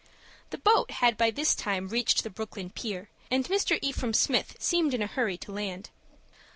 The boat had by this time reached the Brooklyn pier, and Mr. Ephraim Smith seemed in a hurry to land.